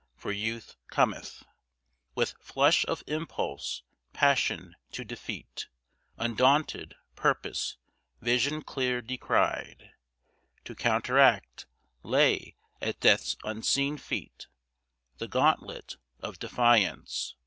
For Youth cometh With flush of impulse, passion to defeat, Undaunted purpose, vision clear descried, To counteract, lay at Death's unseen feet The gauntlet of defiance.